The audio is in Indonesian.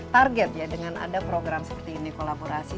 target ya dengan ada program seperti ini kolaborasi